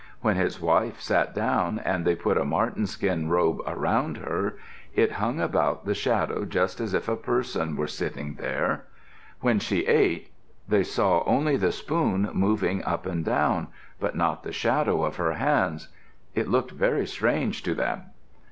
When his wife sat down and they put a marten skin robe around her, it hung about the shadow just as if a person were sitting there. When she ate, they saw only the spoon moving up and down, but not the shadow of her hands. It looked very strange to them.